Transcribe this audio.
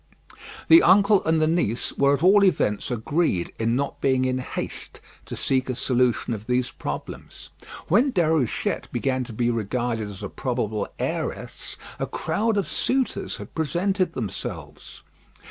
The uncle and the niece were at all events agreed in not being in haste to seek a solution of these problems. When Déruchette began to be regarded as a probable heiress, a crowd of suitors had presented themselves.